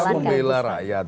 prosesnya harus membela rakyat